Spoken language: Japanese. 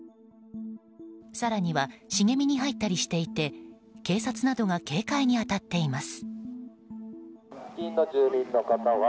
更には茂みに入ったりしていて警察などが警戒に当たっています。